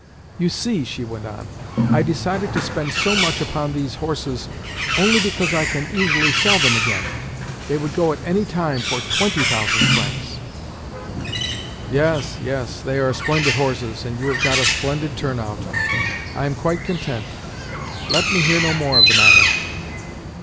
"You see," she went on, "I decided to spend so much upon these horses only because I can easily sell them again. They would go at any time for twenty thousand francs." "Yes, yes. They are splendid horses, and you have got a splendid turn out. I am quite content. Let me hear no more of the matter."